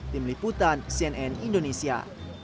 tim liputan cnn indonesia